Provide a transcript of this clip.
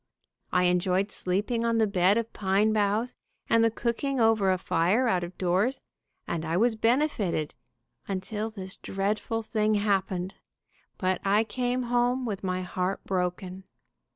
I enjoyed sleeping on the bed of pine boughs, and the cooking over a fire out of doors, and I was benefited, until this dreadful thing happened, but I came home with my heart broken.